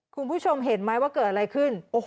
คุณผู้ชมเห็นไหมว่าเกิดอะไรขึ้น